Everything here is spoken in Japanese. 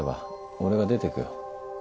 俺が出ていくよ。